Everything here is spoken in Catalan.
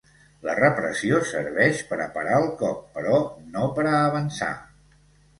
La repressió serveix per a parar el cop però no per a avançar.